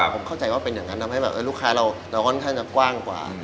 ผมเข้าใจว่าเป็นอย่างนั้นทำให้แบบลูกค้าเราค่อนข้างจะกว้างกว่า